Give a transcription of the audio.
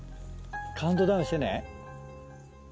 カウントダウンしてね。